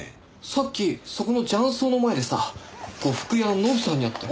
さっきそこの雀荘の前でさ呉服屋のノブさんに会ったよ。